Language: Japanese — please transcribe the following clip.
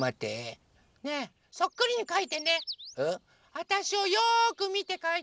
わたしをよくみてかいて。